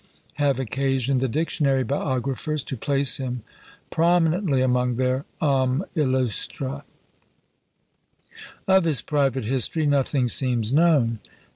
have occasioned the dictionary biographers to place him prominently among their "hommes illustres." Of his private history nothing seems known.